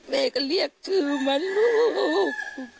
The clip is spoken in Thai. แม่ก็เรียกชื่อมาลูก